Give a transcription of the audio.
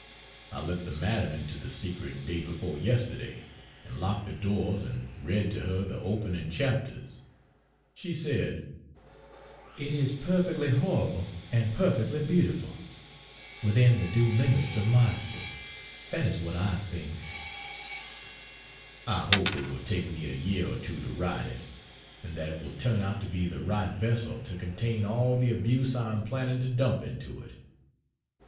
I let the madam into the secret day before yesterday, and locked the doors and read to her the opening chapters. She said "It is perfectly horrible and perfectly beautiful!" "Within the due limits of modesty, that is what I think." I hope it will take me a year or two to write it, and that it will turn out to be the right vessel to contain all the abuse I am planning to dump into it.